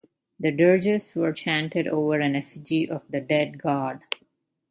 The dirges were chanted over an effigy of the dead god.